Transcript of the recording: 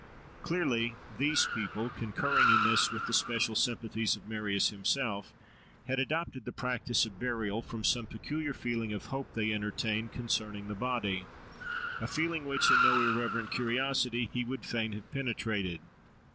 Clearly, these people, concurring in this with the special sympathies of Marius himself, had adopted the practice of burial from some peculiar feeling of hope they entertained concerning the body; a feeling which, in no irreverent curiosity, he would fain have penetrated.